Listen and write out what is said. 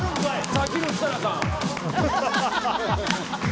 さっきの設楽さん。